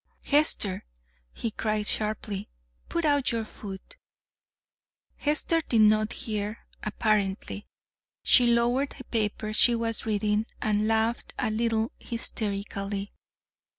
"Hester," he cried sharply, "put out your foot." Hester did not hear apparently. She lowered the paper she was reading and laughed a little hysterically.